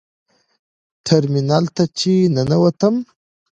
ټرمینل ته چې ننوتم.